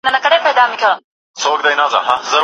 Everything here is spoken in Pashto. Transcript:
شاګرد به په راتلونکي کې خپله ژبه پیاوړې کړي.